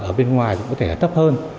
ở bên ngoài cũng có thể là tấp hơn